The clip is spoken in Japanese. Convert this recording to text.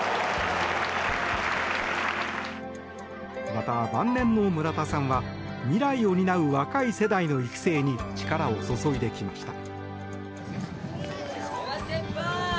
また、晩年の村田さんは未来を担う若い世代の育成に力を注いできました。